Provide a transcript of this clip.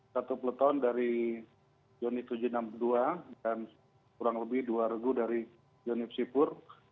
satu peleton dari joni tujuh ratus enam puluh dua dan kurang lebih dua regu dari yonif sipur